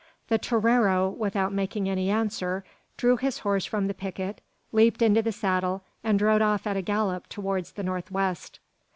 The torero, without making any answer, drew his horse from the picket, leaped into the saddle, and rode off at a gallop towards the north west.